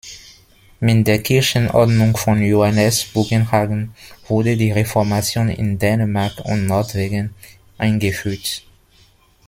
Mit der Kirchenordnung von Johannes Bugenhagen wurde die Reformation in Dänemark und Norwegen eingeführt.